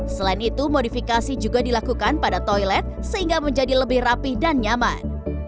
selain itu modifikasi juga dilakukan pada toilet sehingga menjadi lebih rapih dan nyaman